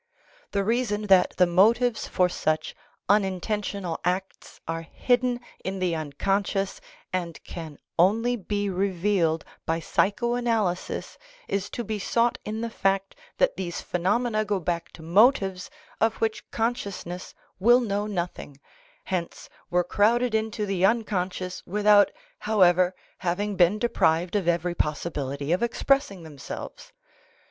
The reason that the motives for such unintentional acts are hidden in the unconscious and can only be revealed by psycho analysis is to be sought in the fact that these phenomena go back to motives of which consciousness will know nothing, hence were crowded into the unconscious, without, however, having been deprived of every possibility of expressing themselves.